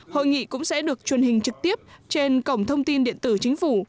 hội nghị cũng sẽ được truyền hình trực tiếp trên cổng thông tin điện tử chính phủ